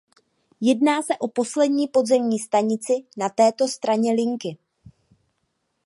Jedná se o poslední podzemní stanici na této straně linky.